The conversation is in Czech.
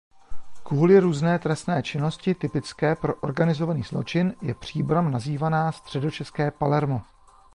Kvůli různé trestné činnosti typické pro organizovaný zločin je Příbram nazývaná "Středočeské Palermo".